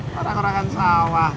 ngarang orang akan sawah